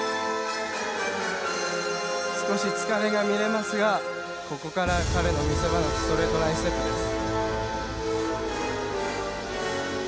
少し疲れが見えますがここから彼の見せ場のストレートラインステップです。